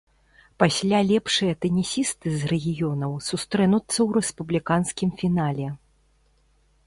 Пасля лепшыя тэнісісты з рэгіёнаў сустрэнуцца ў рэспубліканскім фінале.